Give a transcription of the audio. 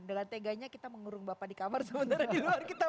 dalam teganya kita mengurung bapak di kamar sementara di luar kita